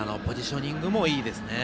ポジショニングもいいですね。